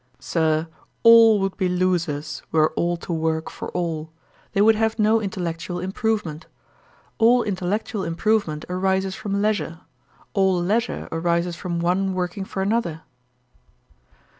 Sir, all would be losers were all to work for all: they would have no intellectual improvement. All intellectual improvement arises from leisure; all leisure arises from one working for another.'